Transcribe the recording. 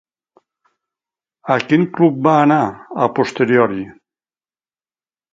A quin club va anar, a posteriori?